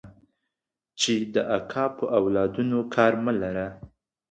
چې د اکا په اولادونو کار مه لره.